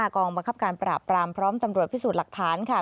กองบังคับการปราบปรามพร้อมตำรวจพิสูจน์หลักฐานค่ะ